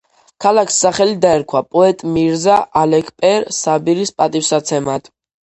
ქალაქს სახელი დაერქვა პოეტ მირზა ალექპერ საბირის პატივსაცემად.